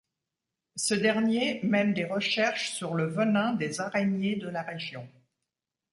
Ce dernier mène des recherches sur le venin des araignées de la région.